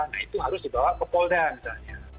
nah itu harus dibawa ke polda misalnya